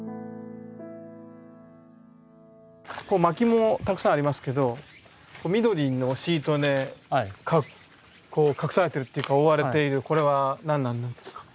薪もたくさんありますけど緑のシートで隠されているっていうか覆われているこれは何なんですか？